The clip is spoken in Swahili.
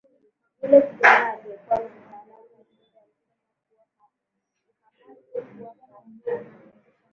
Yule kijana aliyekuwa na mtaalamu wa ufundi alisema kwa kuhamaki kuwa havifanani